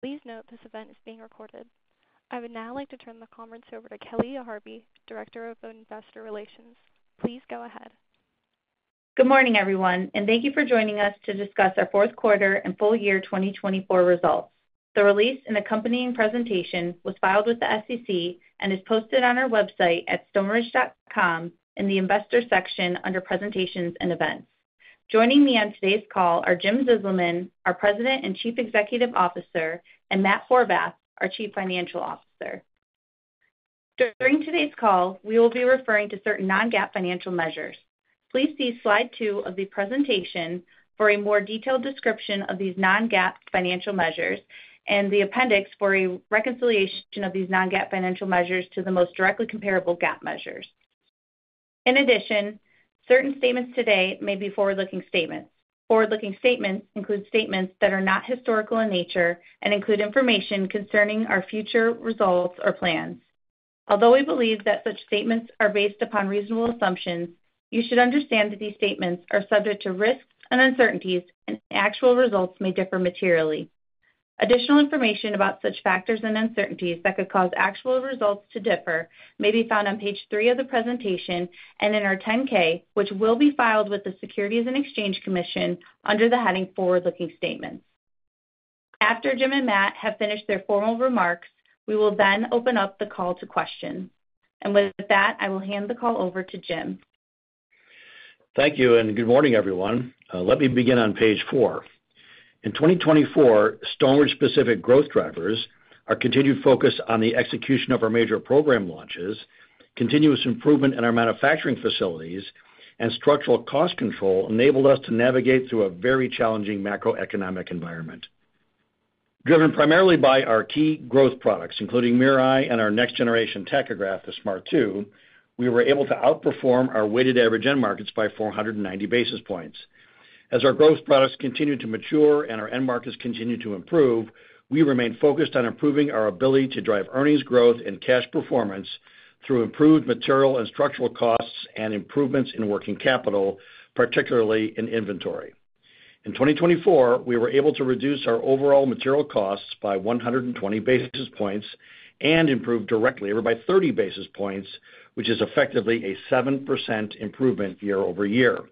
Please note this event is being recorded. I would now like to turn the conference over to Kelly Harvey, Director of Investor Relations. Please go ahead. Good morning, everyone, and thank you for joining us to discuss our fourth quarter and full year 2024 results. The release and accompanying presentation was filed with the SEC and is posted on our website at stoneridge.com in the Investor section under Presentations and Events. Joining me on today's call are Jim Zizelman, our President and Chief Executive Officer, and Matt Horvath, our Chief Financial Officer. During today's call, we will be referring to certain non-GAAP financial measures. Please see slide two of the presentation for a more detailed description of these non-GAAP financial measures and the appendix for a reconciliation of these non-GAAP financial measures to the most directly comparable GAAP measures. In addition, certain statements today may be forward-looking statements. Forward-looking statements include statements that are not historical in nature and include information concerning our future results or plans. Although we believe that such statements are based upon reasonable assumptions, you should understand that these statements are subject to risks and uncertainties, and actual results may differ materially. Additional information about such factors and uncertainties that could cause actual results to differ may be found on page three of the presentation and in our 10-K, which will be filed with the U.S. Securities and Exchange Commission under the heading Forward-looking Statements. After Jim and Matt have finished their formal remarks, we will then open up the call to questions. With that, I will hand the call over to Jim. Thank you and good morning, everyone. Let me begin on page four. In 2024, Stoneridge-specific growth drivers, our continued focus on the execution of our major program launches, continuous improvement in our manufacturing facilities, and structural cost control enabled us to navigate through a very challenging macroeconomic environment. Driven primarily by our key growth products, including Mirai and our next-generation tachograph, the Smart 2, we were able to outperform our weighted average end markets by 490 basis points. As our growth products continue to mature and our end markets continue to improve, we remain focused on improving our ability to drive earnings growth and cash performance through improved material and structural costs and improvements in working capital, particularly in inventory. In 2024, we were able to reduce our overall material costs by 120 basis points and improve direct labor by 30 basis points, which is effectively a 7% improvement year over year.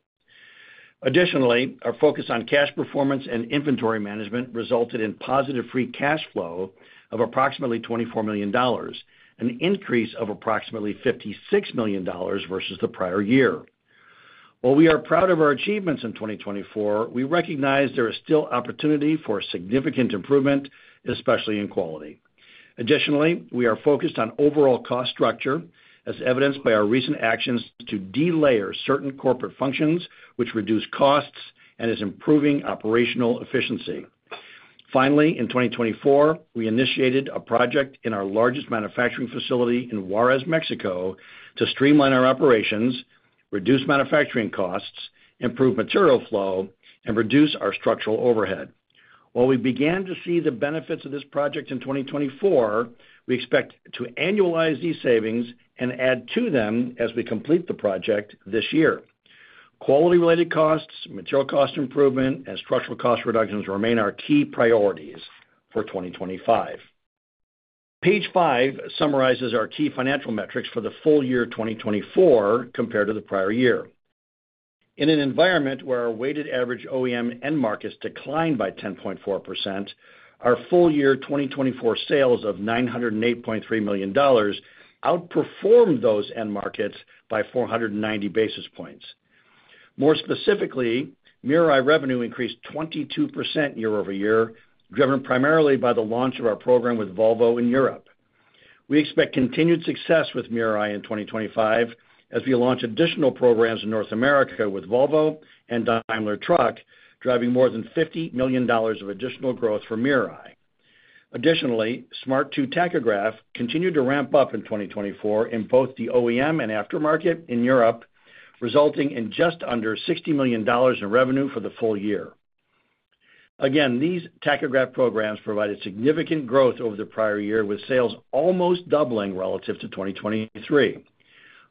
Additionally, our focus on cash performance and inventory management resulted in positive free cash flow of approximately $24 million, an increase of approximately $56 million versus the prior year. While we are proud of our achievements in 2024, we recognize there is still opportunity for significant improvement, especially in quality. Additionally, we are focused on overall cost structure, as evidenced by our recent actions to de-layer certain corporate functions, which reduce costs and are improving operational efficiency. Finally, in 2024, we initiated a project in our largest manufacturing facility in Juarez, Mexico, to streamline our operations, reduce manufacturing costs, improve material flow, and reduce our structural overhead. While we began to see the benefits of this project in 2024, we expect to annualize these savings and add to them as we complete the project this year. Quality-related costs, material cost improvement, and structural cost reductions remain our key priorities for 2025. Page five summarizes our key financial metrics for the full year 2024 compared to the prior year. In an environment where our weighted average OEM end markets declined by 10.4%, our full year 2024 sales of $908.3 million outperformed those end markets by 490 basis points. More specifically, Mirai revenue increased 22% year over year, driven primarily by the launch of our program with Volvo in Europe. We expect continued success with Mirai in 2025 as we launch additional programs in North America with Volvo and Daimler Truck, driving more than $50 million of additional growth for Mirai. Additionally, Smart 2 tachograph continued to ramp up in 2024 in both the OEM and aftermarket in Europe, resulting in just under $60 million in revenue for the full year. Again, these tachograph programs provided significant growth over the prior year, with sales almost doubling relative to 2023.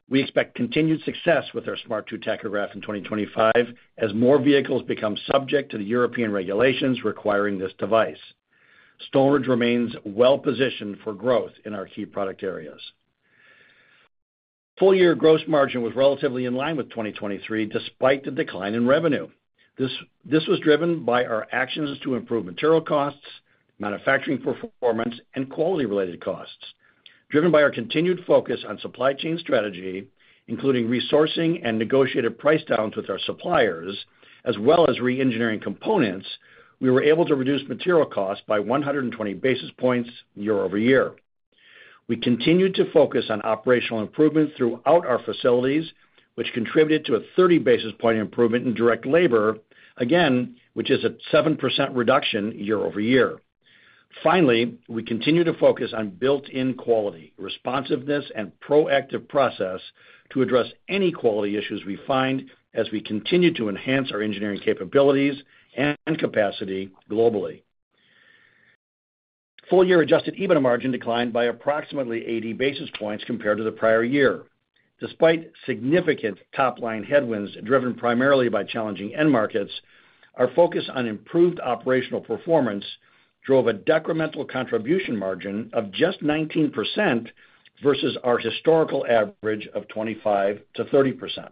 We expect continued success with our Smart 2 tachograph in 2025 as more vehicles become subject to the European regulations requiring this device. Stoneridge remains well-positioned for growth in our key product areas. Full year gross margin was relatively in line with 2023, despite the decline in revenue. This was driven by our actions to improve material costs, manufacturing performance, and quality-related costs. Driven by our continued focus on supply chain strategy, including resourcing and negotiated price downs with our suppliers, as well as re-engineering components, we were able to reduce material costs by 120 basis points year over year. We continued to focus on operational improvements throughout our facilities, which contributed to a 30 basis point improvement in direct labor, again, which is a 7% reduction year over year. Finally, we continue to focus on built-in quality, responsiveness, and proactive process to address any quality issues we find as we continue to enhance our engineering capabilities and capacity globally. Full year adjusted EBITDA margin declined by approximately 80 basis points compared to the prior year. Despite significant top-line headwinds driven primarily by challenging end markets, our focus on improved operational performance drove a decremental contribution margin of just 19% versus our historical average of 25-30%.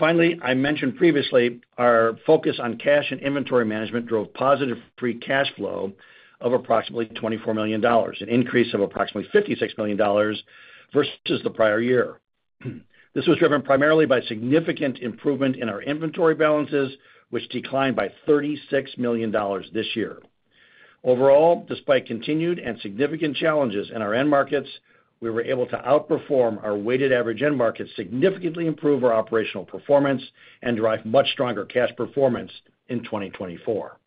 Finally, I mentioned previously our focus on cash and inventory management drove positive free cash flow of approximately $24 million, an increase of approximately $56 million versus the prior year. This was driven primarily by significant improvement in our inventory balances, which declined by $36 million this year. Overall, despite continued and significant challenges in our end markets, we were able to outperform our weighted average end markets, significantly improve our operational performance, and drive much stronger cash performance in 2024.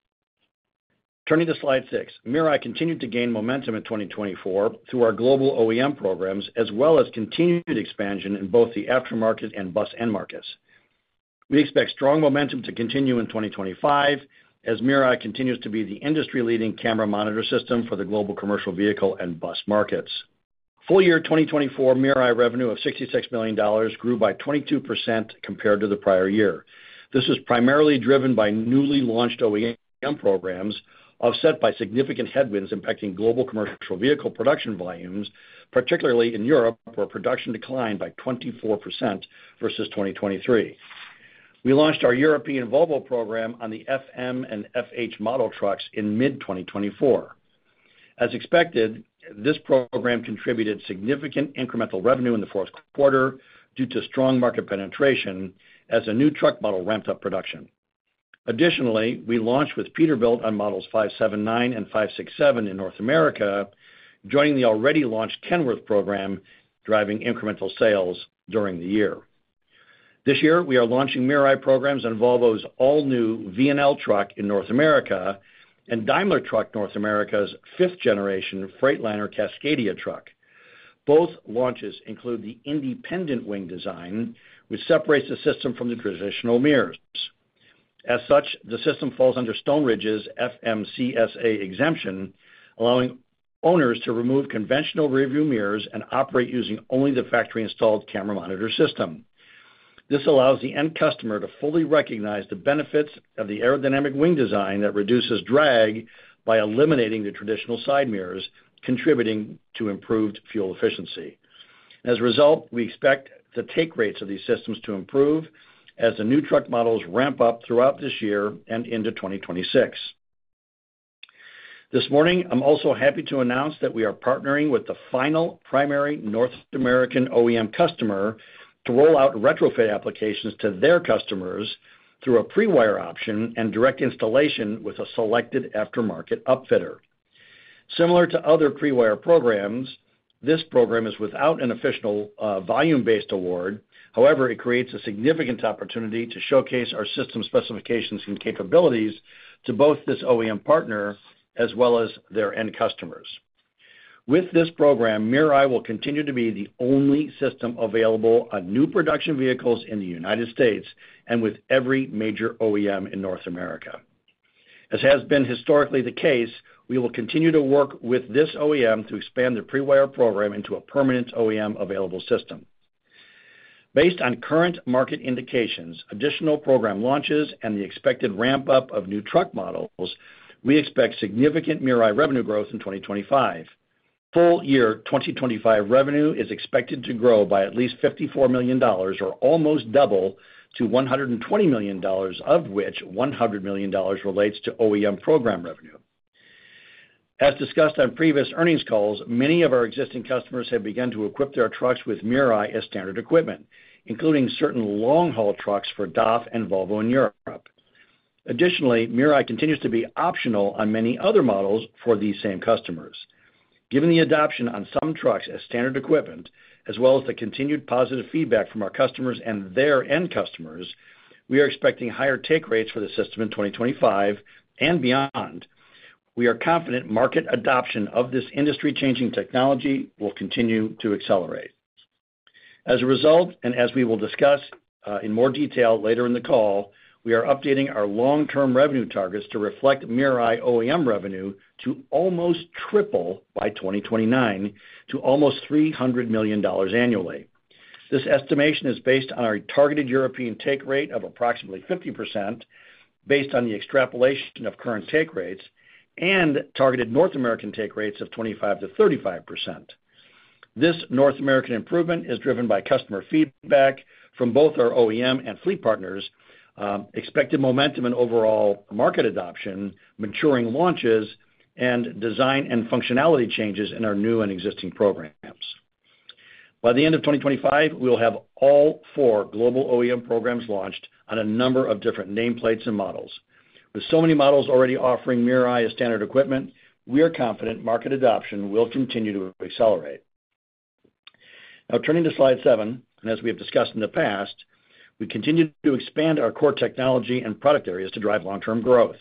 Turning to slide six, Mirai continued to gain momentum in 2024 through our global OEM programs, as well as continued expansion in both the aftermarket and bus end markets. We expect strong momentum to continue in 2025 as Mirai continues to be the industry-leading camera monitor system for the global commercial vehicle and bus markets. Full year 2024 Mirai revenue of $66 million grew by 22% compared to the prior year. This was primarily driven by newly launched OEM programs, offset by significant headwinds impacting global commercial vehicle production volumes, particularly in Europe, where production declined by 24% versus 2023. We launched our European Volvo program on the FM and FH model trucks in mid-2024. As expected, this program contributed significant incremental revenue in the fourth quarter due to strong market penetration as a new truck model ramped up production. Additionally, we launched with Peterbilt on models 579 and 567 in North America, joining the already launched Kenworth program, driving incremental sales during the year. This year, we are launching Mirai programs on Volvo's all-new V&L truck in North America and Daimler Truck North America's fifth-generation Freightliner Cascadia truck. Both launches include the independent wing design, which separates the system from the traditional mirrors. As such, the system falls under Stoneridge's FMCSA exemption, allowing owners to remove conventional rearview mirrors and operate using only the factory-installed camera monitor system. This allows the end customer to fully recognize the benefits of the aerodynamic wing design that reduces drag by eliminating the traditional side mirrors, contributing to improved fuel efficiency. As a result, we expect the take rates of these systems to improve as the new truck models ramp up throughout this year and into 2026. This morning, I'm also happy to announce that we are partnering with the final primary North American OEM customer to roll out retrofit applications to their customers through a pre-wire option and direct installation with a selected aftermarket upfitter. Similar to other pre-wire programs, this program is without an official volume-based award. However, it creates a significant opportunity to showcase our system specifications and capabilities to both this OEM partner as well as their end customers. With this program, Mirai will continue to be the only system available on new production vehicles in the United States and with every major OEM in North America. As has been historically the case, we will continue to work with this OEM to expand the pre-wire program into a permanent OEM-available system. Based on current market indications, additional program launches, and the expected ramp-up of new truck models, we expect significant Mirai revenue growth in 2025. Full year 2025 revenue is expected to grow by at least $54 million, or almost double to $120 million, of which $100 million relates to OEM program revenue. As discussed on previous earnings calls, many of our existing customers have begun to equip their trucks with Mirai as standard equipment, including certain long-haul trucks for DAF and Volvo in Europe. Additionally, Mirai continues to be optional on many other models for these same customers. Given the adoption on some trucks as standard equipment, as well as the continued positive feedback from our customers and their end customers, we are expecting higher take rates for the system in 2025 and beyond. We are confident market adoption of this industry-changing technology will continue to accelerate. As a result, and as we will discuss in more detail later in the call, we are updating our long-term revenue targets to reflect Mirai OEM revenue to almost triple by 2029 to almost $300 million annually. This estimation is based on our targeted European take rate of approximately 50%, based on the extrapolation of current take rates, and targeted North American take rates of 25-35%. This North American improvement is driven by customer feedback from both our OEM and fleet partners, expected momentum in overall market adoption, maturing launches, and design and functionality changes in our new and existing programs. By the end of 2025, we will have all four global OEM programs launched on a number of different nameplates and models. With so many models already offering Mirai as standard equipment, we are confident market adoption will continue to accelerate. Now, turning to slide seven, and as we have discussed in the past, we continue to expand our core technology and product areas to drive long-term growth.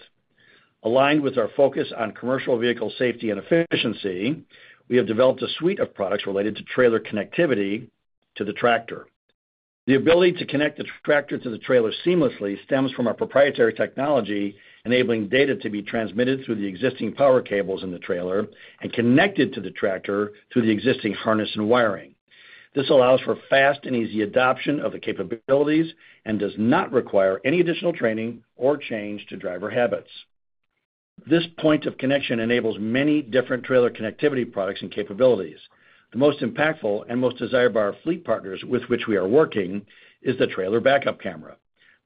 Aligned with our focus on commercial vehicle safety and efficiency, we have developed a suite of products related to trailer connectivity to the tractor. The ability to connect the tractor to the trailer seamlessly stems from our proprietary technology, enabling data to be transmitted through the existing power cables in the trailer and connected to the tractor through the existing harness and wiring. This allows for fast and easy adoption of the capabilities and does not require any additional training or change to driver habits. This point of connection enables many different trailer connectivity products and capabilities. The most impactful and most desirable of our fleet partners with which we are working is the Trailer Backup Camera.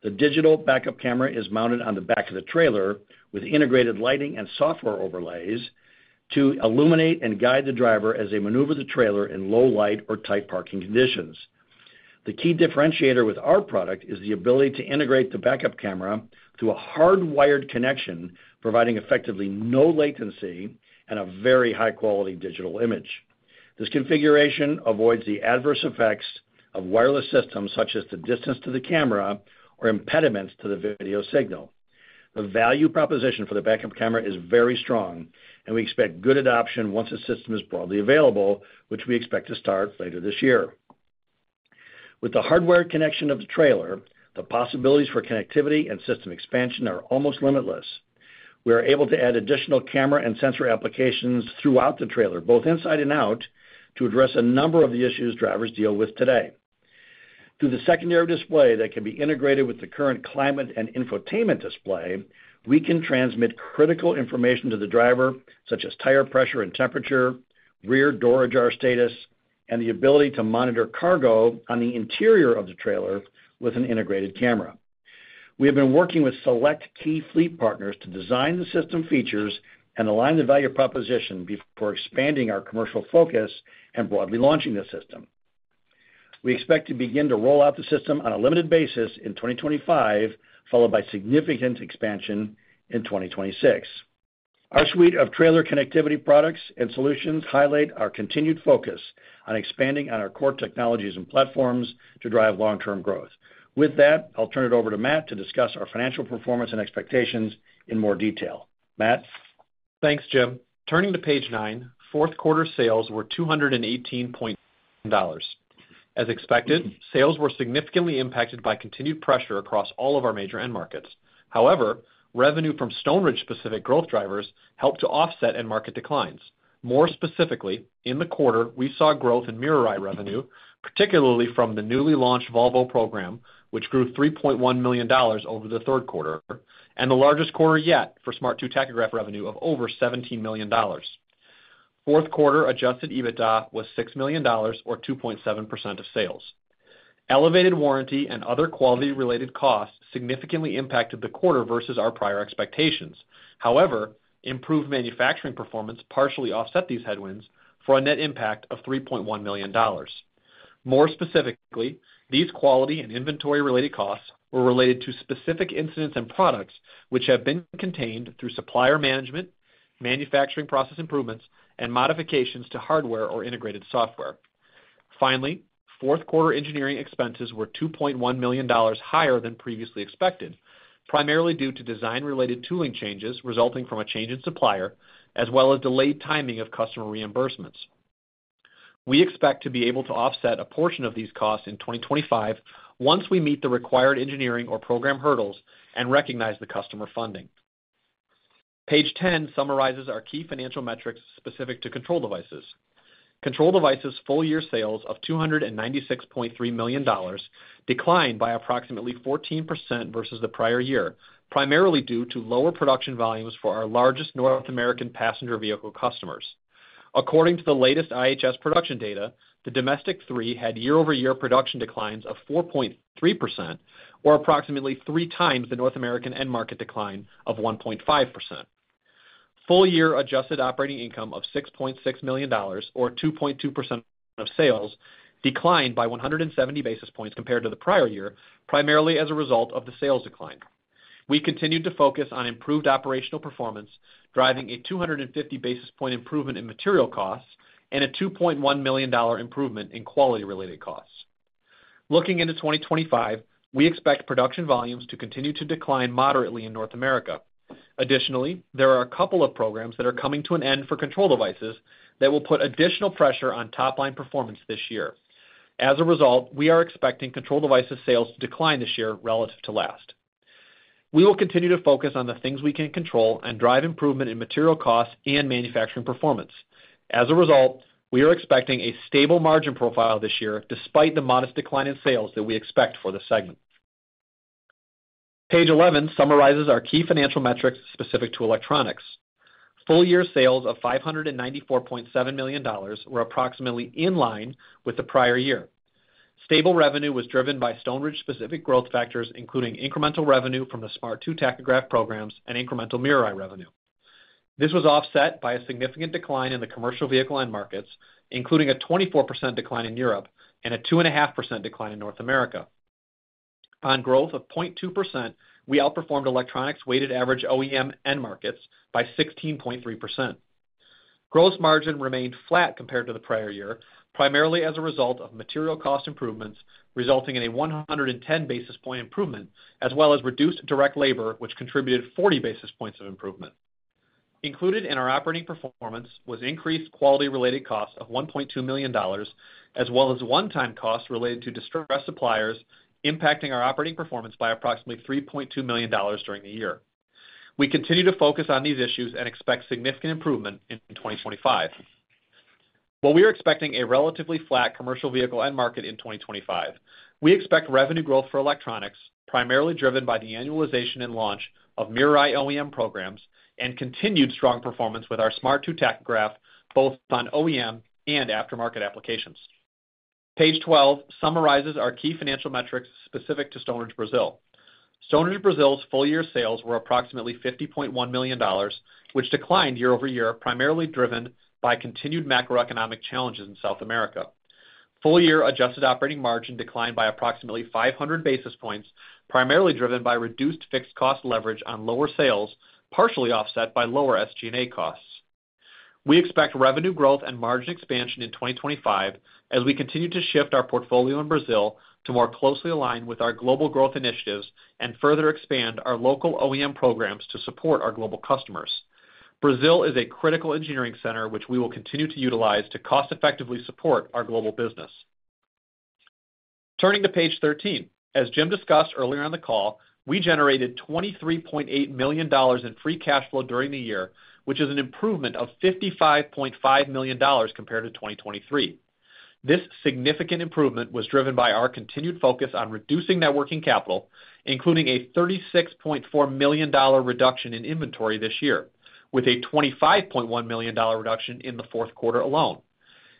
The digital backup camera is mounted on the back of the trailer with integrated lighting and software overlays to illuminate and guide the driver as they maneuver the trailer in low light or tight parking conditions. The key differentiator with our product is the ability to integrate the backup camera through a hardwired connection, providing effectively no latency and a very high-quality digital image. This configuration avoids the adverse effects of wireless systems such as the distance to the camera or impediments to the video signal. The value proposition for the backup camera is very strong, and we expect good adoption once the system is broadly available, which we expect to start later this year. With the hardwired connection of the trailer, the possibilities for connectivity and system expansion are almost limitless. We are able to add additional camera and sensor applications throughout the trailer, both inside and out, to address a number of the issues drivers deal with today. Through the secondary display that can be integrated with the current climate and infotainment display, we can transmit critical information to the driver, such as tire pressure and temperature, rear door ajar status, and the ability to monitor cargo on the interior of the trailer with an integrated camera. We have been working with select key fleet partners to design the system features and align the value proposition before expanding our commercial focus and broadly launching the system. We expect to begin to roll out the system on a limited basis in 2025, followed by significant expansion in 2026. Our suite of trailer connectivity products and solutions highlights our continued focus on expanding on our core technologies and platforms to drive long-term growth. With that, I'll turn it over to Matt to discuss our financial performance and expectations in more detail. Matt. Thanks, Jim. Turning to page nine, fourth quarter sales were $218 million. As expected, sales were significantly impacted by continued pressure across all of our major end markets. However, revenue from Stoneridge-specific growth drivers helped to offset end market declines. More specifically, in the quarter, we saw growth in Mirai revenue, particularly from the newly launched Volvo program, which grew $3.1 million over the third quarter, and the largest quarter yet for Smart 2 tachograph revenue of over $17 million. Fourth quarter adjusted EBITDA was $6 million, or 2.7% of sales. Elevated warranty and other quality-related costs significantly impacted the quarter versus our prior expectations. However, improved manufacturing performance partially offset these headwinds for a net impact of $3.1 million. More specifically, these quality and inventory-related costs were related to specific incidents and products which have been contained through supplier management, manufacturing process improvements, and modifications to hardware or integrated software. Finally, fourth quarter engineering expenses were $2.1 million higher than previously expected, primarily due to design-related tooling changes resulting from a change in supplier, as well as delayed timing of customer reimbursements. We expect to be able to offset a portion of these costs in 2025 once we meet the required engineering or program hurdles and recognize the customer funding. Page 10 summarizes our key financial metrics specific to control devices. Control devices' full year sales of $296.3 million declined by approximately 14% versus the prior year, primarily due to lower production volumes for our largest North American passenger vehicle customers. According to the latest IHS production data, the domestic three had year-over-year production declines of 4.3%, or approximately three times the North American end market decline of 1.5%. Full year adjusted operating income of $6.6 million, or 2.2% of sales, declined by 170 basis points compared to the prior year, primarily as a result of the sales decline. We continued to focus on improved operational performance, driving a 250 basis point improvement in material costs and a $2.1 million improvement in quality-related costs. Looking into 2025, we expect production volumes to continue to decline moderately in North America. Additionally, there are a couple of programs that are coming to an end for control devices that will put additional pressure on top-line performance this year. As a result, we are expecting control devices' sales to decline this year relative to last. We will continue to focus on the things we can control and drive improvement in material costs and manufacturing performance. As a result, we are expecting a stable margin profile this year despite the modest decline in sales that we expect for the segment. Page 11 summarizes our key financial metrics specific to electronics. Full year sales of $594.7 million were approximately in line with the prior year. Stable revenue was driven by Stoneridge-specific growth factors, including incremental revenue from the Smart 2 tachograph programs and incremental Mirai revenue. This was offset by a significant decline in the commercial vehicle end markets, including a 24% decline in Europe and a 2.5% decline in North America. On growth of 0.2%, we outperformed electronics-weighted average OEM end markets by 16.3%. Gross margin remained flat compared to the prior year, primarily as a result of material cost improvements resulting in a 110 basis point improvement, as well as reduced direct labor, which contributed 40 basis points of improvement. Included in our operating performance was increased quality-related costs of $1.2 million, as well as one-time costs related to distressed suppliers, impacting our operating performance by approximately $3.2 million during the year. We continue to focus on these issues and expect significant improvement in 2025. While we are expecting a relatively flat commercial vehicle end market in 2025, we expect revenue growth for electronics, primarily driven by the annualization and launch of Mirai OEM programs and continued strong performance with our Smart 2 tachograph, both on OEM and aftermarket applications. Page 12 summarizes our key financial metrics specific to Stoneridge Brazil. Stoneridge Brazil's full year sales were approximately $50.1 million, which declined year-over-year, primarily driven by continued macroeconomic challenges in South America. Full year adjusted operating margin declined by approximately 500 basis points, primarily driven by reduced fixed cost leverage on lower sales, partially offset by lower SG&A costs. We expect revenue growth and margin expansion in 2025 as we continue to shift our portfolio in Brazil to more closely align with our global growth initiatives and further expand our local OEM programs to support our global customers. Brazil is a critical engineering center, which we will continue to utilize to cost-effectively support our global business. Turning to page 13, as Jim discussed earlier on the call, we generated $23.8 million in free cash flow during the year, which is an improvement of $55.5 million compared to 2023. This significant improvement was driven by our continued focus on reducing net working capital, including a $36.4 million reduction in inventory this year, with a $25.1 million reduction in the fourth quarter alone.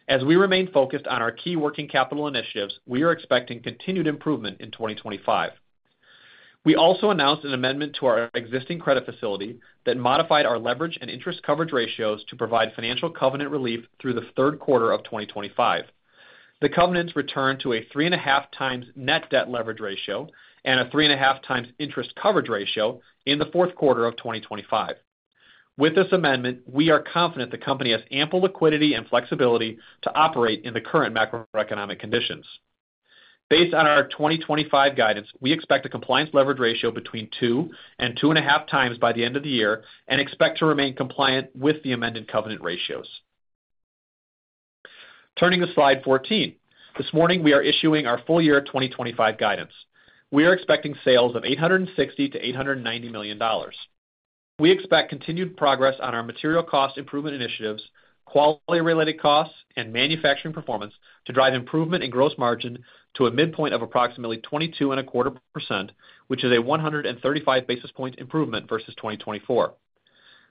As we remain focused on our key working capital initiatives, we are expecting continued improvement in 2025. We also announced an amendment to our existing credit facility that modified our leverage and interest coverage ratios to provide financial covenant relief through the third quarter of 2025. The covenants returned to a 3.5 times net debt leverage ratio and a 3.5 times interest coverage ratio in the fourth quarter of 2025. With this amendment, we are confident the company has ample liquidity and flexibility to operate in the current macroeconomic conditions. Based on our 2025 guidance, we expect a compliance leverage ratio between 2 and 2.5 times by the end of the year and expect to remain compliant with the amended covenant ratios. Turning to slide 14, this morning we are issuing our full year 2025 guidance. We are expecting sales of $860-$890 million. We expect continued progress on our material cost improvement initiatives, quality-related costs, and manufacturing performance to drive improvement in gross margin to a midpoint of approximately 22.25%, which is a 135 basis point improvement versus 2024.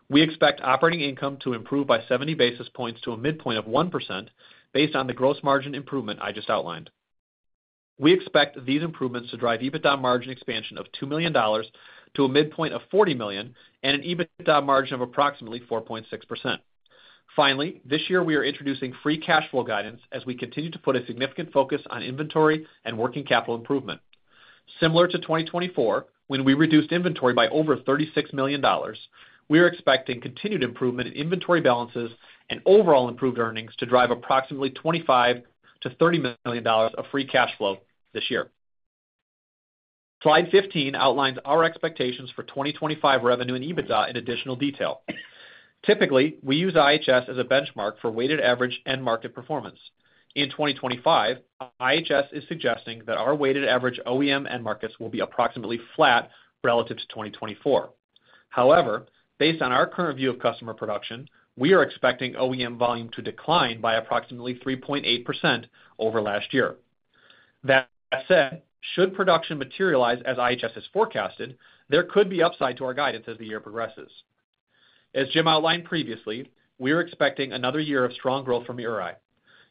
We expect operating income to improve by 70 basis points to a midpoint of 1% based on the gross margin improvement I just outlined. We expect these improvements to drive EBITDA margin expansion of $2 million to a midpoint of $40 million and an EBITDA margin of approximately 4.6%. Finally, this year we are introducing free cash flow guidance as we continue to put a significant focus on inventory and working capital improvement. Similar to 2024, when we reduced inventory by over $36 million, we are expecting continued improvement in inventory balances and overall improved earnings to drive approximately $25-$30 million of free cash flow this year. Slide 15 outlines our expectations for 2025 revenue and EBITDA in additional detail. Typically, we use IHS as a benchmark for weighted average end market performance. In 2025, IHS is suggesting that our weighted average OEM end markets will be approximately flat relative to 2024. However, based on our current view of customer production, we are expecting OEM volume to decline by approximately 3.8% over last year. That said, should production materialize as IHS has forecasted, there could be upside to our guidance as the year progresses. As Jim outlined previously, we are expecting another year of strong growth for Mirai.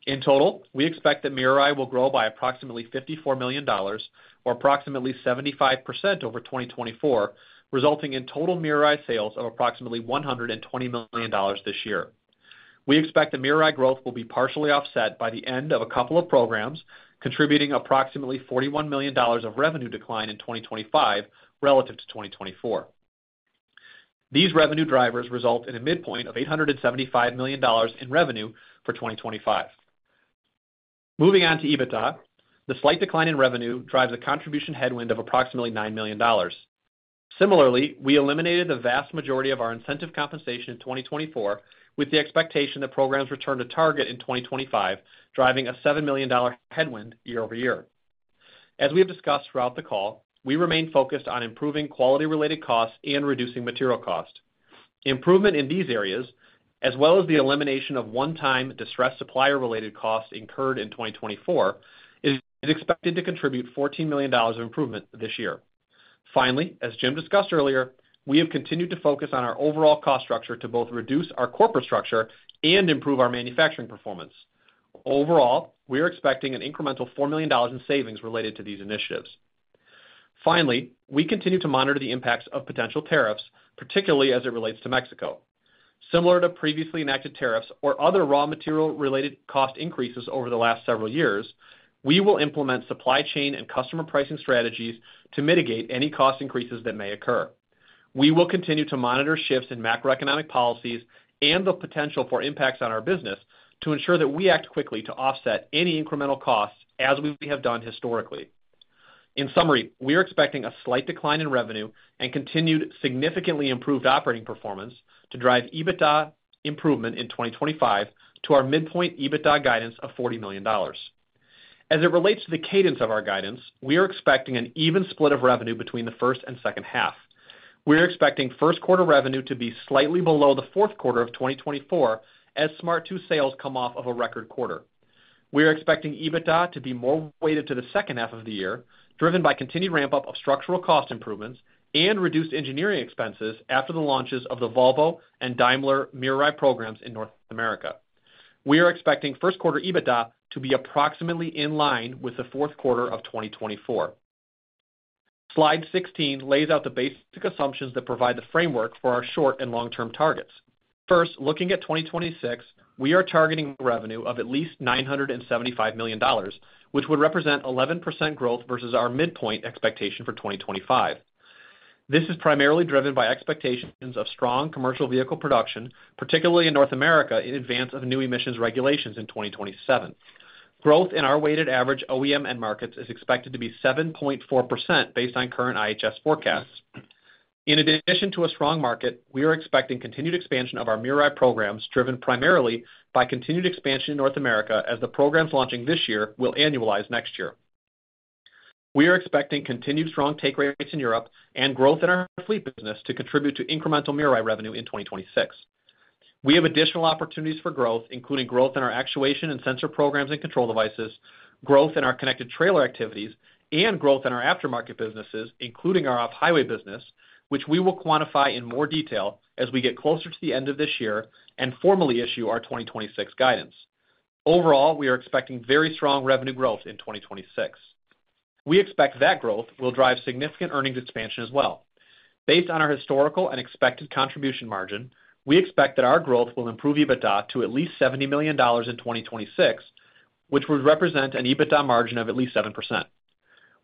In total, we expect that Mirai will grow by approximately $54 million, or approximately 75% over 2024, resulting in total Mirai sales of approximately $120 million this year. We expect that Mirai growth will be partially offset by the end of a couple of programs, contributing approximately $41 million of revenue decline in 2025 relative to 2024. These revenue drivers result in a midpoint of $875 million in revenue for 2025. Moving on to EBITDA, the slight decline in revenue drives a contribution headwind of approximately $9 million. Similarly, we eliminated the vast majority of our incentive compensation in 2024 with the expectation that programs return to target in 2025, driving a $7 million headwind year-over-year. As we have discussed throughout the call, we remain focused on improving quality-related costs and reducing material cost. Improvement in these areas, as well as the elimination of one-time distressed supplier-related costs incurred in 2024, is expected to contribute $14 million of improvement this year. Finally, as Jim discussed earlier, we have continued to focus on our overall cost structure to both reduce our corporate structure and improve our manufacturing performance. Overall, we are expecting an incremental $4 million in savings related to these initiatives. Finally, we continue to monitor the impacts of potential tariffs, particularly as it relates to Mexico. Similar to previously enacted tariffs or other raw material-related cost increases over the last several years, we will implement supply chain and customer pricing strategies to mitigate any cost increases that may occur. We will continue to monitor shifts in macroeconomic policies and the potential for impacts on our business to ensure that we act quickly to offset any incremental costs as we have done historically. In summary, we are expecting a slight decline in revenue and continued significantly improved operating performance to drive EBITDA improvement in 2025 to our midpoint EBITDA guidance of $40 million. As it relates to the cadence of our guidance, we are expecting an even split of revenue between the first and second half. We are expecting first quarter revenue to be slightly below the fourth quarter of 2024 as Smart 2 sales come off of a record quarter. We are expecting EBITDA to be more weighted to the second half of the year, driven by continued ramp-up of structural cost improvements and reduced engineering expenses after the launches of the Volvo and Daimler Mirai programs in North America. We are expecting first quarter EBITDA to be approximately in line with the fourth quarter of 2024. Slide 16 lays out the basic assumptions that provide the framework for our short and long-term targets. First, looking at 2026, we are targeting revenue of at least $975 million, which would represent 11% growth versus our midpoint expectation for 2025. This is primarily driven by expectations of strong commercial vehicle production, particularly in North America in advance of new emissions regulations in 2027. Growth in our weighted average OEM end markets is expected to be 7.4% based on current IHS forecasts. In addition to a strong market, we are expecting continued expansion of our Mirai programs, driven primarily by continued expansion in North America as the programs launching this year will annualize next year. We are expecting continued strong take rates in Europe and growth in our fleet business to contribute to incremental Mirai revenue in 2026. We have additional opportunities for growth, including growth in our actuation and sensor programs and control devices, growth in our connected trailer activities, and growth in our aftermarket businesses, including our off-highway business, which we will quantify in more detail as we get closer to the end of this year and formally issue our 2026 guidance. Overall, we are expecting very strong revenue growth in 2026. We expect that growth will drive significant earnings expansion as well. Based on our historical and expected contribution margin, we expect that our growth will improve EBITDA to at least $70 million in 2026, which would represent an EBITDA margin of at least 7%.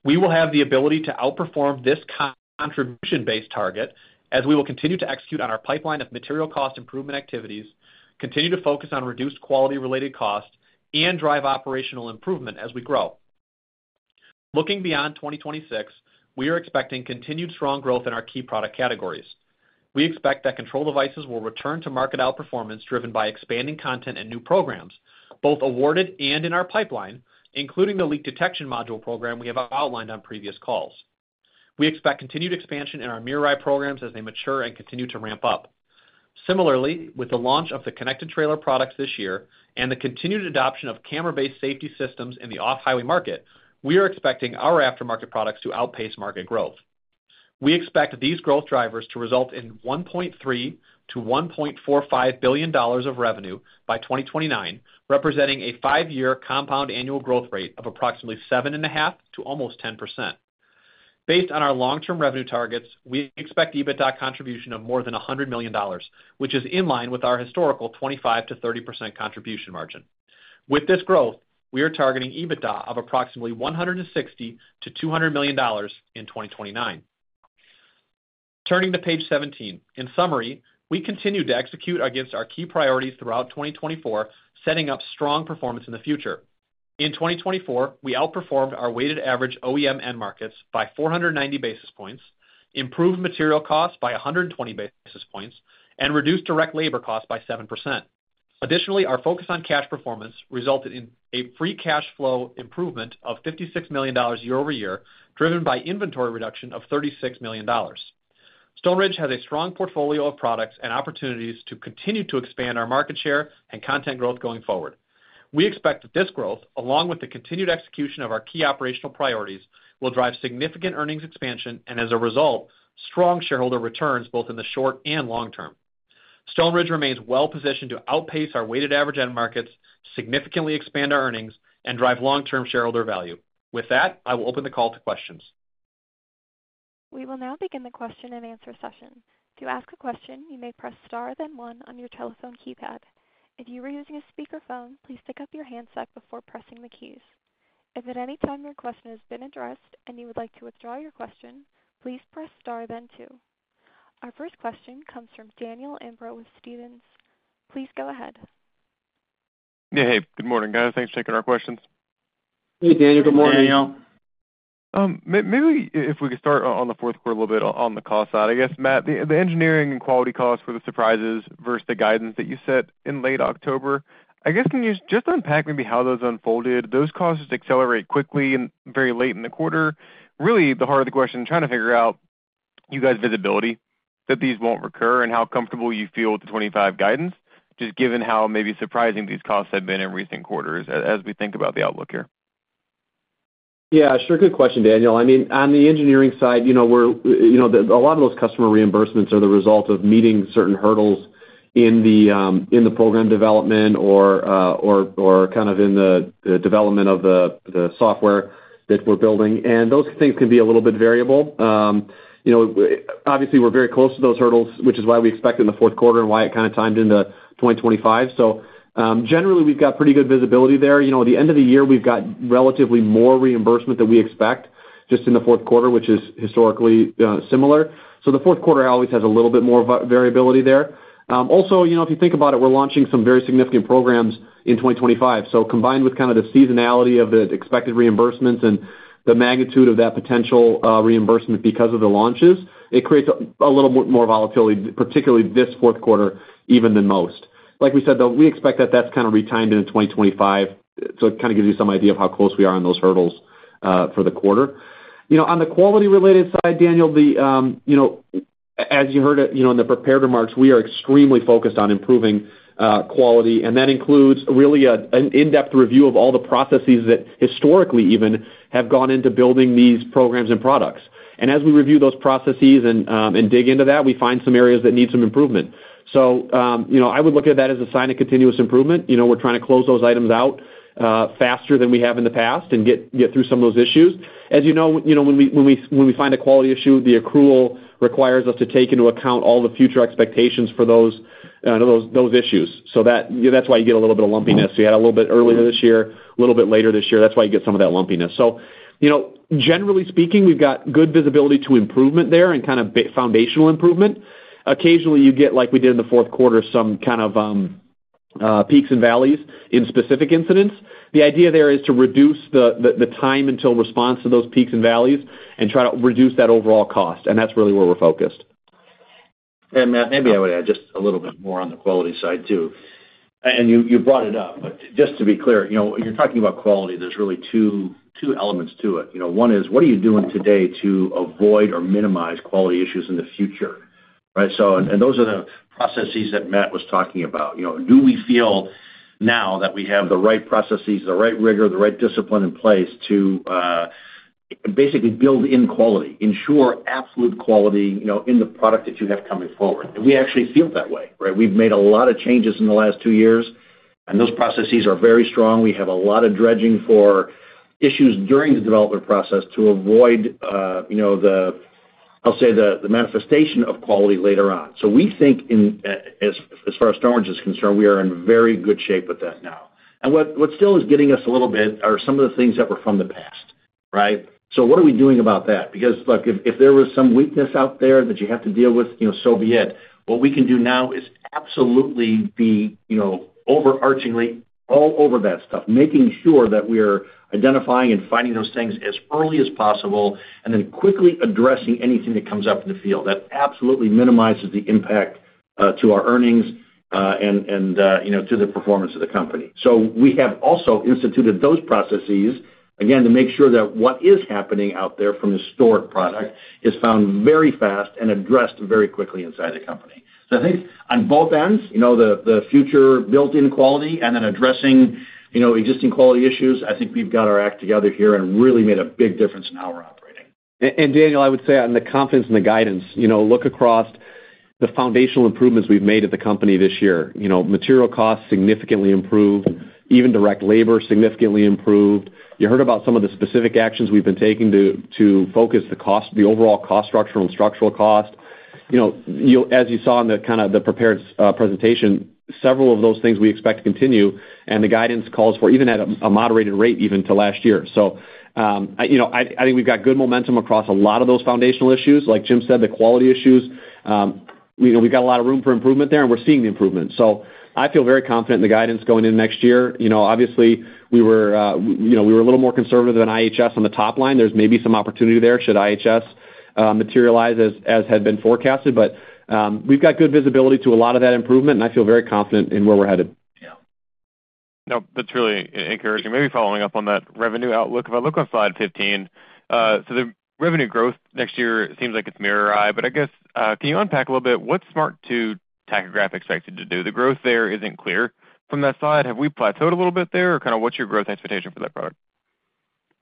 We will have the ability to outperform this contribution-based target as we will continue to execute on our pipeline of material cost improvement activities, continue to focus on reduced quality-related costs, and drive operational improvement as we grow. Looking beyond 2026, we are expecting continued strong growth in our key product categories. We expect that control devices will return to market outperformance driven by expanding content and new programs, both awarded and in our pipeline, including the Leak Detection Module program we have outlined on previous calls. We expect continued expansion in our Mirai programs as they mature and continue to ramp up. Similarly, with the launch of the connected trailer products this year and the continued adoption of camera-based safety systems in the off-highway market, we are expecting our aftermarket products to outpace market growth. We expect these growth drivers to result in $1.3 billion-$1.45 billion of revenue by 2029, representing a five-year compound annual growth rate of approximately 7.5% to almost 10%. Based on our long-term revenue targets, we expect EBITDA contribution of more than $100 million, which is in line with our historical 25-30% contribution margin. With this growth, we are targeting EBITDA of approximately $160-$200 million in 2029. Turning to page 17, in summary, we continue to execute against our key priorities throughout 2024, setting up strong performance in the future. In 2024, we outperformed our weighted average OEM end markets by 490 basis points, improved material costs by 120 basis points, and reduced direct labor costs by 7%. Additionally, our focus on cash performance resulted in a free cash flow improvement of $56 million year-over-year, driven by inventory reduction of $36 million. Stoneridge has a strong portfolio of products and opportunities to continue to expand our market share and content growth going forward. We expect that this growth, along with the continued execution of our key operational priorities, will drive significant earnings expansion and, as a result, strong shareholder returns both in the short and long term. Stoneridge remains well-positioned to outpace our weighted average end markets, significantly expand our earnings, and drive long-term shareholder value. With that, I will open the call to questions. We will now begin the question and answer session. To ask a question, you may press * then 1 on your telephone keypad. If you are using a speakerphone, please pick up your handset before pressing the keys. If at any time your question has been addressed and you would like to withdraw your question, please press * then 2. Our first question comes from Daniel Imbro with Stephens. Please go ahead. Hey, hey. Good morning, guys. Thanks for taking our questions. Hey, Daniel. Good morning. Hey, Daniel. Maybe if we could start on the fourth quarter a little bit on the cost side. I guess, Matt, the engineering and quality costs for the surprises versus the guidance that you set in late October, I guess can you just unpack maybe how those unfolded? Those costs accelerate quickly and very late in the quarter. Really, the heart of the question I'm trying to figure out is you guys' visibility that these won't recur and how comfortable you feel with the 2025 guidance, just given how maybe surprising these costs have been in recent quarters as we think about the outlook here. Yeah, sure. Good question, Daniel. I mean, on the engineering side, a lot of those customer reimbursements are the result of meeting certain hurdles in the program development or kind of in the development of the software that we're building. Those things can be a little bit variable. Obviously, we're very close to those hurdles, which is why we expect in the fourth quarter and why it kind of timed into 2025. Generally, we've got pretty good visibility there. At the end of the year, we've got relatively more reimbursement than we expect just in the fourth quarter, which is historically similar. The fourth quarter always has a little bit more variability there. Also, if you think about it, we're launching some very significant programs in 2025. Combined with kind of the seasonality of the expected reimbursements and the magnitude of that potential reimbursement because of the launches, it creates a little more volatility, particularly this fourth quarter, even than most. Like we said, though, we expect that that's kind of retimed into 2025. It kind of gives you some idea of how close we are on those hurdles for the quarter. On the quality-related side, Daniel, as you heard in the prepared remarks, we are extremely focused on improving quality. That includes really an in-depth review of all the processes that historically even have gone into building these programs and products. As we review those processes and dig into that, we find some areas that need some improvement. I would look at that as a sign of continuous improvement. We're trying to close those items out faster than we have in the past and get through some of those issues. As you know, when we find a quality issue, the accrual requires us to take into account all the future expectations for those issues. That's why you get a little bit of lumpiness. We had a little bit earlier this year, a little bit later this year. That is why you get some of that lumpiness. Generally speaking, we have good visibility to improvement there and kind of foundational improvement. Occasionally, you get, like we did in the fourth quarter, some kind of peaks and valleys in specific incidents. The idea there is to reduce the time until response to those peaks and valleys and try to reduce that overall cost. That is really where we are focused. Ma tt, maybe I would add just a little bit more on the quality side too. You brought it up. Just to be clear, when you are talking about quality, there are really two elements to it. One is, what are you doing today to avoid or minimize quality issues in the future? Those are the processes that Matt was talking about. Do we feel now that we have the right processes, the right rigor, the right discipline in place to basically build in quality, ensure absolute quality in the product that you have coming forward? We actually feel that way, right? We've made a lot of changes in the last two years, and those processes are very strong. We have a lot of dredging for issues during the development process to avoid, I'll say, the manifestation of quality later on. We think, as far as Stoneridge is concerned, we are in very good shape with that now. What still is getting us a little bit are some of the things that were from the past, right? What are we doing about that? Because if there was some weakness out there that you have to deal with, so be it. What we can do now is absolutely be overarchingly all over that stuff, making sure that we're identifying and finding those things as early as possible and then quickly addressing anything that comes up in the field that absolutely minimizes the impact to our earnings and to the performance of the company. We have also instituted those processes, again, to make sure that what is happening out there from historic product is found very fast and addressed very quickly inside the company. I think on both ends, the future built-in quality and then addressing existing quality issues, I think we've got our act together here and really made a big difference in how we're operating. Daniel, I would say on the confidence and the guidance, look across the foundational improvements we've made at the company this year. Material costs significantly improved. Even direct labor significantly improved. You heard about some of the specific actions we've been taking to focus the overall cost structure on structural cost. As you saw in the prepared presentation, several of those things we expect to continue, and the guidance calls for even at a moderated rate even to last year. I think we've got good momentum across a lot of those foundational issues. Like Jim said, the quality issues, we've got a lot of room for improvement there, and we're seeing the improvement. I feel very confident in the guidance going into next year. Obviously, we were a little more conservative than IHS on the top line. There's maybe some opportunity there should IHS materialize as had been forecasted. We've got good visibility to a lot of that improvement, and I feel very confident in where we're headed. Yeah. No, that's really encouraging. Maybe following up on that revenue outlook, if I look on slide 15, the revenue growth next year seems like it's Mirai, but I guess can you unpack a little bit what Smart 2 tachograph expects you to do? The growth there isn't clear. From that side, have we plateaued a little bit there? Kind of what's your growth expectation for that product?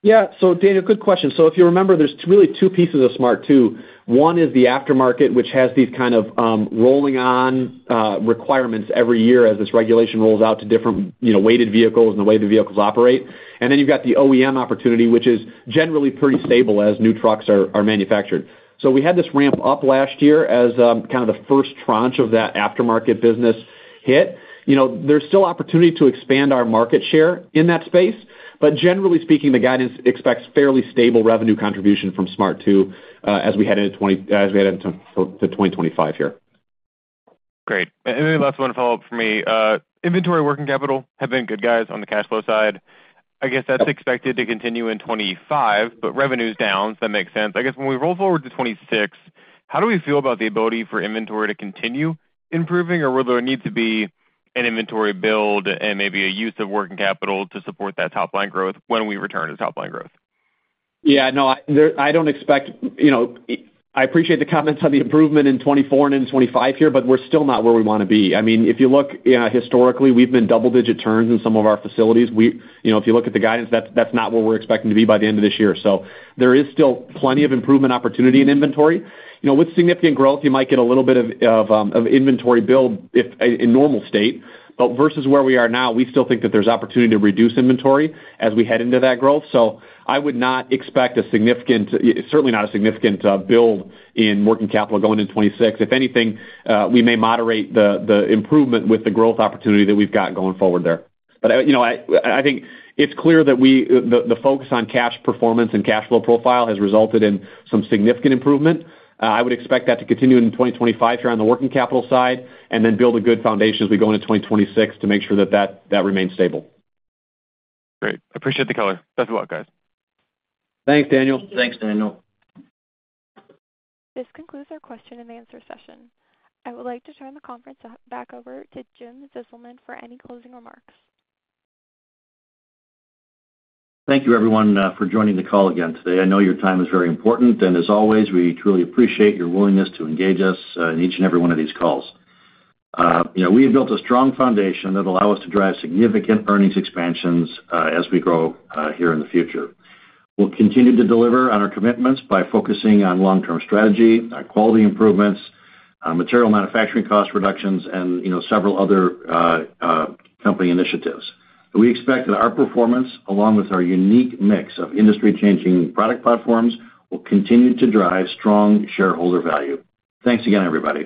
Yeah. Daniel, good question. If you remember, there's really two pieces of Smart 2. One is the aftermarket, which has these kind of rolling-on requirements every year as this regulation rolls out to different weighted vehicles and the way the vehicles operate. Then you've got the OEM opportunity, which is generally pretty stable as new trucks are manufactured. We had this ramp up last year as kind of the first tranche of that aftermarket business hit. There's still opportunity to expand our market share in that space. Generally speaking, the guidance expects fairly stable revenue contribution from Smart 2 as we head into 2025 here. Great. Maybe last one to follow up for me. Inventory working capital have been good guys on the cash flow side. I guess that's expected to continue in 2025, but revenue's down, so that makes sense. I guess when we roll forward to 2026, how do we feel about the ability for inventory to continue improving? Will there need to be an inventory build and maybe a use of working capital to support that top-line growth when we return to top-line growth? Yeah. No, I don't expect—I appreciate the comments on the improvement in 2024 and in 2025 here, but we're still not where we want to be. I mean, if you look historically, we've been double-digit turns in some of our facilities. If you look at the guidance, that's not where we're expecting to be by the end of this year. There is still plenty of improvement opportunity in inventory. With significant growth, you might get a little bit of inventory build in normal state. Versus where we are now, we still think that there's opportunity to reduce inventory as we head into that growth. I would not expect a significant, certainly not a significant build in working capital going into 2026. If anything, we may moderate the improvement with the growth opportunity that we've got going forward there. I think it's clear that the focus on cash performance and cash flow profile has resulted in some significant improvement. I would expect that to continue in 2025 here on the working capital side and then build a good foundation as we go into 2026 to make sure that that remains stable. Great. Appreciate the color. Best of luck, guys. Thanks, Daniel. Thanks, Daniel. This concludes our question and answer session. I would like to turn the conference back over to Jim Zizelman for any closing remarks. Thank you, everyone, for joining the call again today. I know your time is very important. As always, we truly appreciate your willingness to engage us in each and every one of these calls. We have built a strong foundation that will allow us to drive significant earnings expansions as we grow here in the future. We will continue to deliver on our commitments by focusing on long-term strategy, on quality improvements, on material manufacturing cost reductions, and several other company initiatives. We expect that our performance, along with our unique mix of industry-changing product platforms, will continue to drive strong shareholder value. Thanks again, everybody.